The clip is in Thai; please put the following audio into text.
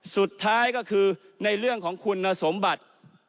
สุดท้ายก็คือในเรื่องของคุณสมบัติ